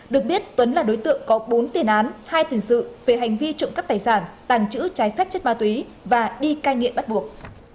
được biết tuấn là đối tượng có bốn tiền án hai tiền sự về hành vi trộm cắp tài sản tàng trữ trái phép chất ma túy và đi cai nghiện bắt buộc